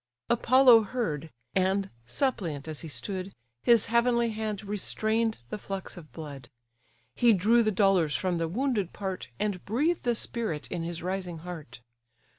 Apollo heard; and, suppliant as he stood, His heavenly hand restrain'd the flux of blood; He drew the dolours from the wounded part, And breathed a spirit in his rising heart.